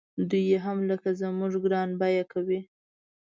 دوی یې هم لکه زموږ ګران بیه کوي.